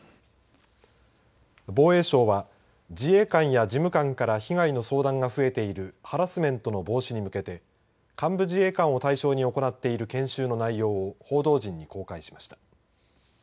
防衛省は自衛官や事務官から被害の相談が増えているハラスメントの防止に向けて幹部自衛官を対象に行っている検証の内容を報道陣に公開しました。